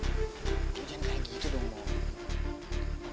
kok belum dateng